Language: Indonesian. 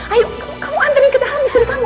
ayo kamu anterin kedalam disini kamu